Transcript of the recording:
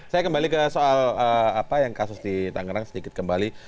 saya kembali ke soal kasus di tangerang sedikit kembali